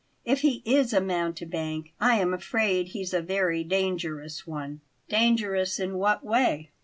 "If he is a mountebank I am afraid he's a very dangerous one." "Dangerous in what way?"